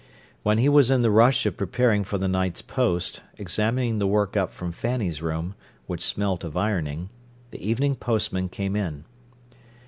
When he was in the rush of preparing for the night's post, examining the work up from Fanny's room, which smelt of ironing, the evening postman came in.